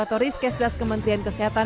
atau riskis dasar kementerian kesehatan